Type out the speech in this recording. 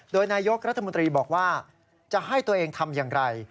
โดยนายกรัฐมนตรีบอกว่าจะให้ตัวเองทำอย่างไร